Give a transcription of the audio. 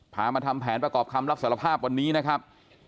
มาทำแผนประกอบคำรับสารภาพวันนี้นะครับ